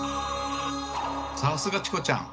さすがチコちゃん！